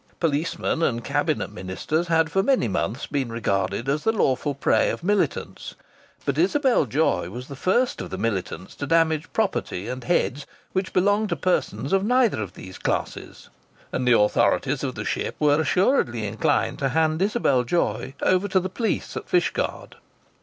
Policemen and Cabinet Ministers had for many months been regarded as the lawful prey of militants, but Isabel Joy was the first of the militants to damage property and heads which belonged to persons of neither of those classes. And the authorities of the ship were assuredly inclined to hand Isabel Joy over to the police at Fishguard.